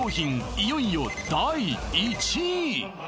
いよいよ第１位